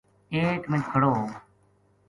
ایک منٹ کھڑو ہو